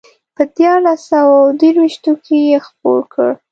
په دیارلس سوه درویشتو کې یې خپور کړ.